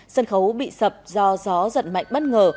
sân khấu bị sập do gió giật mạnh bất ngờ